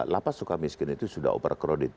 lapas suka miskin itu sudah over credit